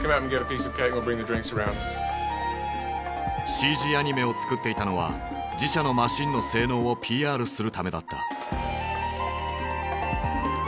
ＣＧアニメを作っていたのは自社のマシンの性能をＰＲするためだった。